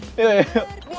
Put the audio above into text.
nih kayak banget